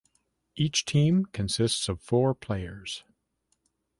Each team consisted of four players.